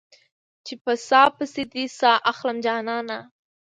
چې په ساه پسې دې ساه اخلم جانانه